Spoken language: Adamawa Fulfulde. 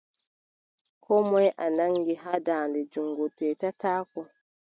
Koo moy o nanngi haa daande junngo, teetataako.